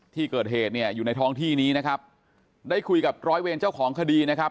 ที่เกิดเหตุเนี่ยอยู่ในท้องที่นี้นะครับได้คุยกับร้อยเวรเจ้าของคดีนะครับ